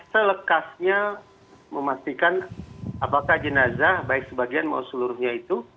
selekasnya memastikan apakah jenazah baik sebagian maupun seluruhnya itu